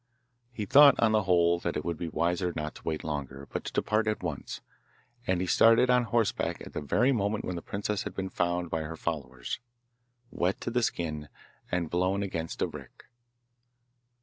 He thought on the whole that it would be wiser not to wait longer, but to depart at once, and he started on horseback at the very moment when the princess had been found by her followers, wet to the skin, and blown against a rick.